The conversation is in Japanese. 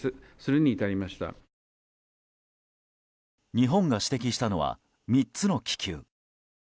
日本が指摘したのは３つの気球。